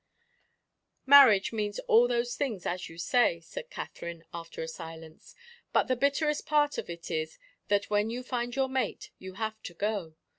"Marriage means all those things, as you say," said Katherine, after a silence; "but the bitterest part of it is that, when you find your mate, you have to go.